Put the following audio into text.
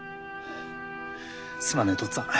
すまねえ父っつぁん。